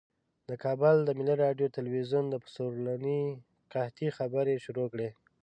د کابل د ملي راډیو تلویزیون د پرسونلي قحطۍ خبرې شروع کړې.